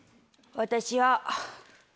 私は。